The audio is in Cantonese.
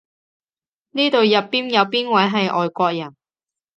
呢度入邊有邊位係外國人？